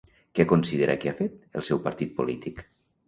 Què considera que ha fet el seu partit polític?